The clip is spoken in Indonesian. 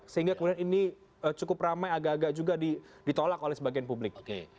sehingga kemudian ini cukup ramai agak agak juga ditolak oleh sebagian publik